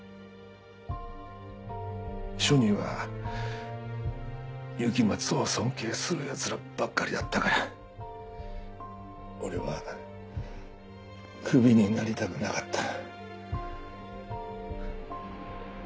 署には雪松を尊敬するヤツらばっかりだったから俺はクビになりたくなかった。